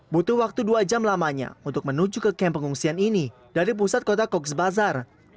butuh waktu dua jam lamanya untuk menuju ke kamp pengungsian ini dari pusat kota kogsbazar